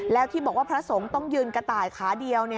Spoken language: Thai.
แล้วที่บอกว่าพระสงฆ์ต้องยืนกระต่ายขาเดียว